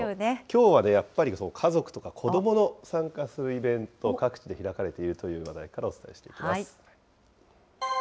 きょうはやっぱり、家族とか子どもの参加するイベント、各地で開かれているという話題からお伝えしていきます。